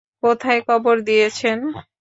কোথায় কবর দিয়েছেন?